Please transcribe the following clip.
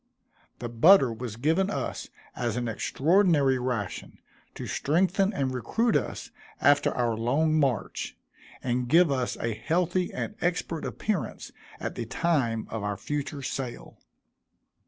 The butter was given us as an extraordinary ration, to strengthen and recruit us after our long march, and give us a healthy and expert appearance at the time of our future sale.